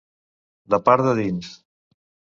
De part de dins.